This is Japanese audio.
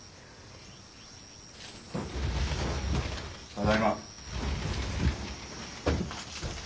・ただいま。